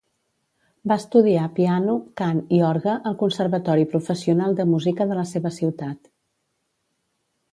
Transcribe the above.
Va estudiar piano, cant i orgue al Conservatori Professional de Música de la seva ciutat.